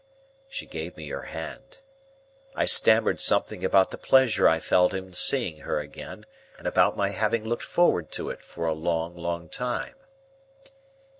She gave me her hand. I stammered something about the pleasure I felt in seeing her again, and about my having looked forward to it, for a long, long time.